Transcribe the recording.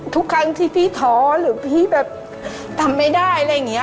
ทุกครั้งที่พี่ท้อหรือพี่แบบทำไม่ได้